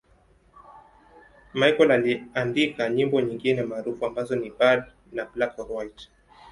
Michael aliandika nyimbo nyingine maarufu ambazo ni 'Bad' na 'Black or White'.